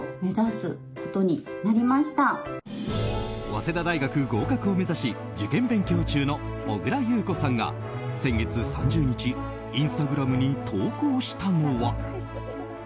早稲田大学合格を目指し受験勉強中の小倉優子さんが先月３０日インスタグラムに投稿したのは。